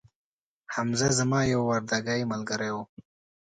حمزه زما یو وردکې ملګري وو